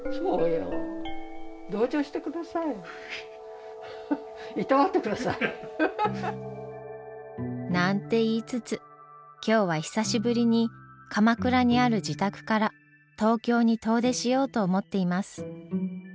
そうよ。なんて言いつつ今日は久しぶりに鎌倉にある自宅から東京に遠出しようと思っています。